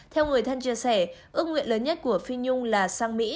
theo người thân chia sẻ ước nguyện lớn nhất của phi nhung là sang mỹ